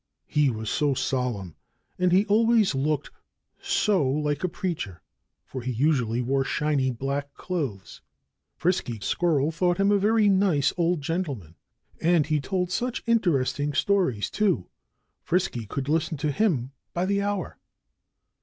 He was so solemn, and he always looked so like a preacher for he usually wore shiny, black clothes that Frisky Squirrel thought him a very nice old gentleman. And he told such interesting stories, too! Frisky could listen to him by the hour.